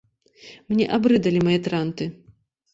Мне абрыдалі мае транты.